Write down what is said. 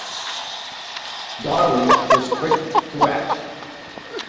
Darwin was quick to act.